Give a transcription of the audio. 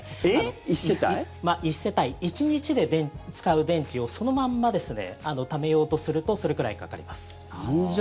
１世帯１日で使う電気をそのままためようとするとそれくらいかかります。